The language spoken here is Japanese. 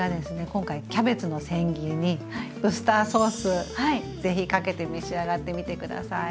今回キャベツの千切りにウスターソースぜひかけて召し上がってみて下さい。